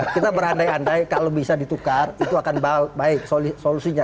kita berandai andai kalau bisa ditukar itu akan baik solusinya